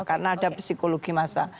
karena ada psikologi massa